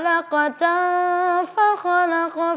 aku mau bekerja